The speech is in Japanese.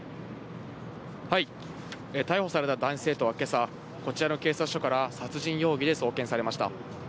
逮捕された男子生徒はけさ、こちらの警察署から殺人容疑で送検されました。